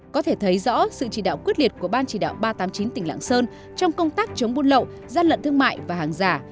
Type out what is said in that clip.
có thể thấy rõ sự chỉ đạo quyết liệt của ban chỉ đạo ba trăm tám mươi chín tỉnh lạng sơn trong công tác chống buôn lậu gian lận thương mại và hàng giả